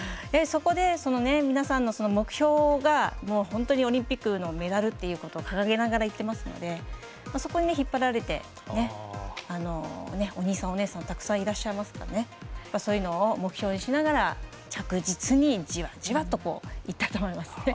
そこで皆さんの目標が、本当にオリンピックのメダルっていうことを掲げながらいってますのでそこに引っ張られてお兄さん、お姉さんたくさんいらっしゃいますのでそういうのを目標にしながら着実に、じわじわといったと思います。